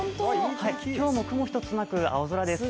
今日も雲一つなく青空です。